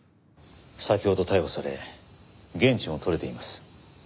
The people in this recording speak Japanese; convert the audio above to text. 先ほど逮捕され言質も取れています。